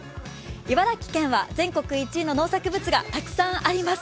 茨城県は全国１位の農作物がたくさんあります。